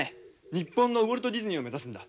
日本のウォルト・ディズニーを目指すんだ！